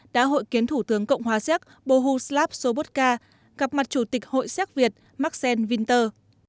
đã hội kiến thủ tướng cộng hòa xác bohuslav sobotka gặp mặt chủ tịch hội xác việt maxen winter